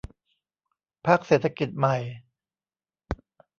พรรคเศรษฐกิจใหม่